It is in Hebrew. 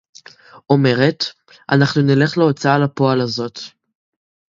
אומרת: אנחנו נלך להוצאה לפועל הזאת